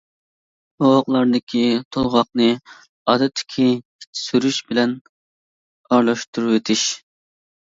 بوۋاقلاردىكى تولغاقنى ئادەتتىكى ئىچ سۈرۈش بىلەن ئارىلاشتۇرۇۋېتىش.